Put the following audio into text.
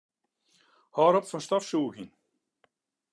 Hâld op fan stofsûgjen.